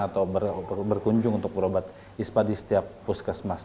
atau berkunjung untuk berobat ispa di setiap puskesmas